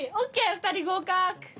２人合格！